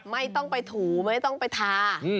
ไม่ต้องไปถูไม่ต้องไปทา